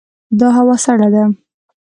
دا هوا سړه ده.